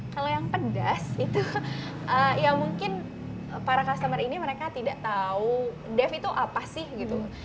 kalau yang pedas itu ya mungkin para customer ini mereka tidak tahu dev itu apa sih gitu